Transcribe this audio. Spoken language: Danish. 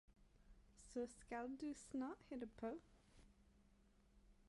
Så skal du snart hitte på